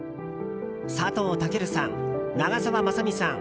佐藤健さん、長澤まさみさん